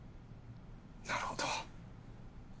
なるほど。